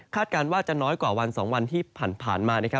คาดการณ์ว่าจะน้อยกว่าวันสองวันที่ผ่านมา